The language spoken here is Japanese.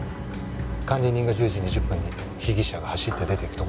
管理人が１０時２０分に被疑者が走って出ていくところを見ています。